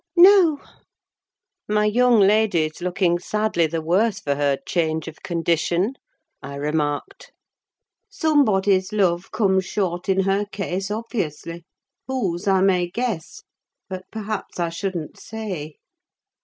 "No." "My young lady is looking sadly the worse for her change of condition," I remarked. "Somebody's love comes short in her case, obviously; whose, I may guess; but, perhaps, I shouldn't say."